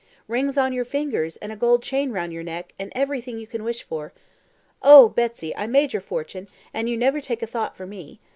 "Rings on your fingers, and a gold chain round your neck, and everything you can wish for. Oh, Betsy, I made your fortune, and you never take a thought for me.